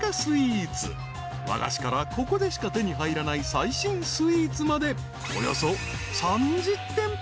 ［和菓子からここでしか手に入らない最新スイーツまで］